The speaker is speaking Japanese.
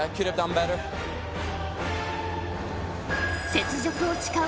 雪辱を誓う